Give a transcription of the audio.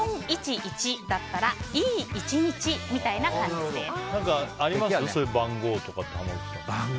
「４１１」だったら「良い１日」みたいな感じです。